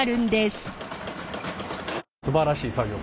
すばらしい作業。